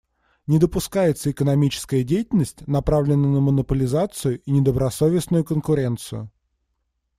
Не допускается экономическая деятельность, направленная на монополизацию и недобросовестную конкуренцию.